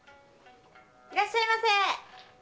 ・いらっしゃいませ！